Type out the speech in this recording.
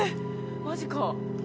マジか。